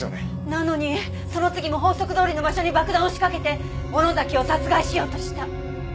なのにその次も法則どおりの場所に爆弾を仕掛けて尾野崎を殺害しようとした。